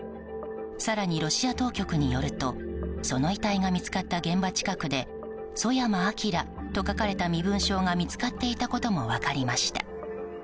更にロシア当局によるとその遺体が見つかった現場近くでソヤマ・アキラと書かれた身分証が見つかっていたことも分かりました。